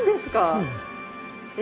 そうです。え！